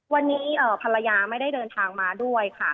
วันนี้ภรรยาไม่ได้เดินทางมาด้วยค่ะ